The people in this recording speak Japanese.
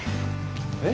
えっ？